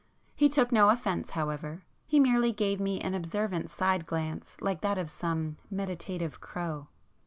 He took no offence however,—he merely gave me an observant side glance like that of some meditative crow.